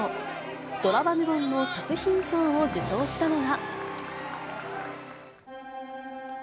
ドラマ部門の作品賞を受賞したのは。